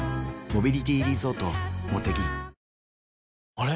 あれ？